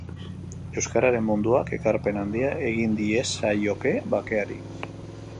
Euskararen munduak ekarpen handia egin diezaioke bakeari.